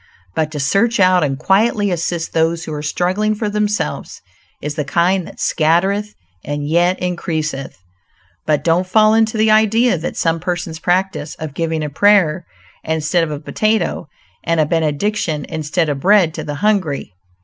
But to search out and quietly assist those who are struggling for themselves, is the kind that "scattereth and yet increaseth." But don't fall into the idea that some persons practice, of giving a prayer instead of a potato, and a benediction instead of bread, to the hungry.